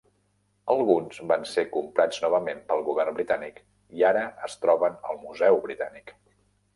Alguns van ser comprats novament pel Govern britànic i ara es troben al Museu Britànic.